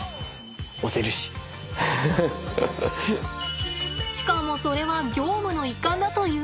しかもそれは業務の一環だというのです。